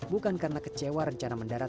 bukan karena kecewa rencana mendarat